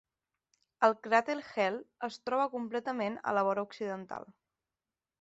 El cràter Hell es troba completament a la vora occidental.